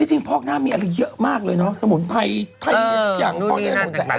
จริงพอกหน้ามีอะไรเยอะมากเลยเนอะสมุนไพรไทยอย่างนู่นนี่นั่นต่างต่างนั่น